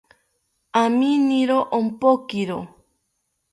Aminiro ompokiro